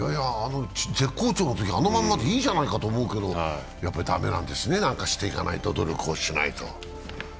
絶好調のときのままでいいじゃないかと思うけどやっぱりだめんなんですね、何か努力をしないと。